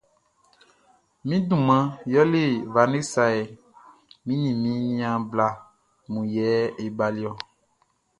Mi duman yɛlɛ Vanessa hɛ, mi ni mi niaan bla mun yɛ e baliɔ.